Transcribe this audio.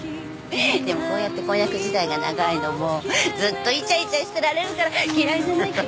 でもこうやって婚約時代が長いのもずっといちゃいちゃしてられるから嫌いじゃないけどね。